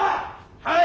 はい！